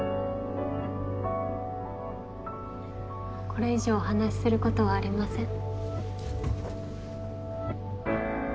これ以上お話しすることはありません。